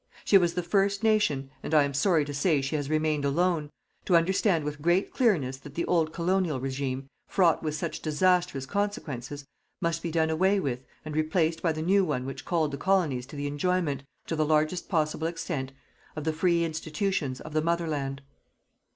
She was the first nation and I am sorry to say she has remained alone to understand with great clearness that the old Colonial Regime, fraught with such disastrous consequences, must be done away with and replaced by the new one which called the colonies to the enjoyment, to the largest possible extent, of the free institutions of the Mother Land.